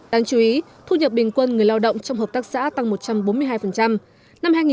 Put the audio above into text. đáng chú ý thu nhập bình quân người lao động trong hợp tác xã tăng một trăm bốn mươi hai